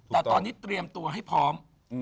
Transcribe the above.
แต่ตอนนี้เตรียมตัวให้พร้อม